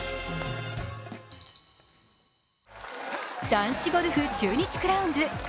男子ゴルフ中日クラウンズ。